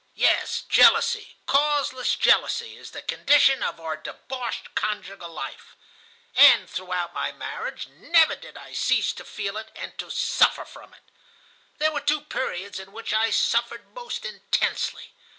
"Yes, jealousy, causeless jealousy, is the condition of our debauched conjugal life. And throughout my marriage never did I cease to feel it and to suffer from it. There were two periods in which I suffered most intensely.